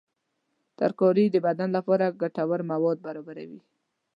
ترکاري د بدن لپاره ګټور مواد برابروي.